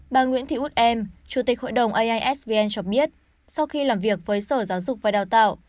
bà nguyễn thị út em chủ tịch hội đồng aisvn cho biết sau khi làm việc với sở giáo dục và đào tạo